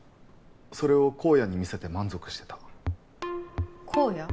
それを公哉に見せて満足してた公哉？